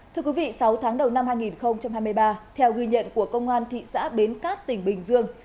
thưa quý vị sáu tháng đầu năm hai nghìn hai mươi ba theo ghi nhận của công an thị xã bến cát tỉnh bình dương